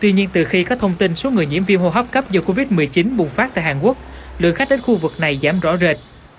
tuy nhiên từ khi có thông tin số người nhiễm viêm hô hấp cấp do covid một mươi chín bùng phát tại hàn quốc lượng khách đến khu vực này giảm rõ rệt